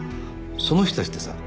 その人たちってさ